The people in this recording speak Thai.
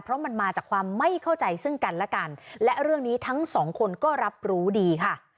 เพราะมันมาจากความไม่เข้าใจซึ่งกันและกันและเรื่องนี้ทั้งสองคนก็รับรู้ดีค่ะ